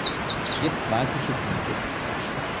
Jetzt weiß ich es wieder.